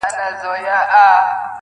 سیاه پوسي ده، شپه لېونۍ ده.